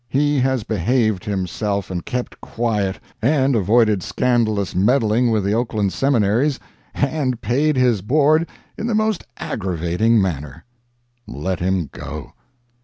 He has behaved himself, and kept quiet, and avoided scandalous meddling with the Oakland Seminaries, and paid his board in the most aggravating manner. Let him go.